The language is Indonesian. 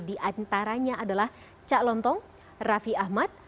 diantaranya adalah cak lontong raffi ahmad